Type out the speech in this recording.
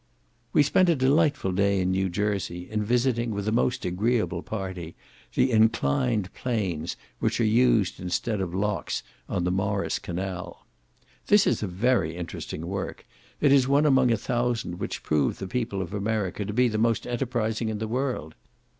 We spent a delightful day in New Jersey, in visiting, with a most agreeable party, the inclined planes, which are used instead of locks on the Morris canal. This is a very interesting work; it is one among a thousand which prove the people of America to be the most enterprising in the world.